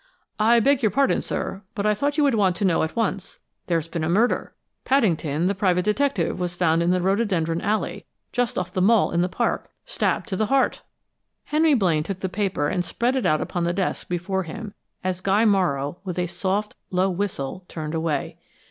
"I beg your pardon, sir, but I thought you would want to know at once. There's been a murder! Paddington, the private detective, was found in the Rhododendron Alley, just off the Mall in the park, stabbed to the heart!" Henry Blaine took the paper and spread it out upon the desk before him, as Guy Morrow, with a soft, low whistle, turned away.